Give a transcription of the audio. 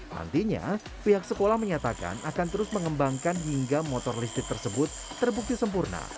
nantinya pihak sekolah menyatakan akan terus mengembangkan hingga motor listrik tersebut terbukti sempurna